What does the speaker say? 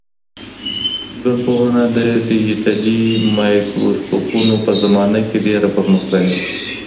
ژوندپوهنه د ډیجیټلي مایکروسکوپونو په زمانه کي ډېره پرمختللې ده.